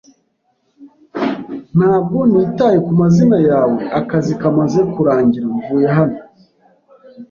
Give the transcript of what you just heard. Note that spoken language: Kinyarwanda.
Ntabwo nitaye ku mazina yawe. Akazi kamaze kurangira, mvuye hano.